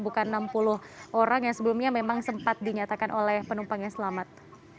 bukan enam puluh orang yang sebelumnya memang sempat dinyatakan oleh penumpang yang selamat